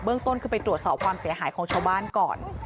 ต้นคือไปตรวจสอบความเสียหายของชาวบ้านก่อน